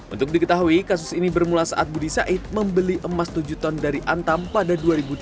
untuk diketahui kasus ini bermula saat budi said membeli emas tujuh ton dari antam pada dua ribu tiga belas